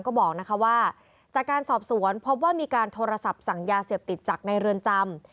ก็บอกว่าจากการสอบสวนพบว่ามีการโทรศัพท์สั่งยาเสพติดจากในเรือนจำ